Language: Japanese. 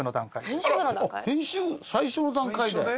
編集最初の段階で。